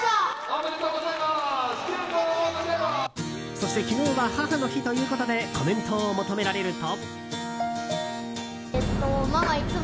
そして昨日は母の日ということでコメントを求められると。